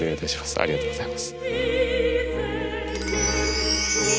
ありがとうございます。